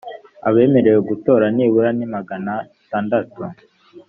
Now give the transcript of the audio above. abemerewe gutora nibura ni magana tatandatu .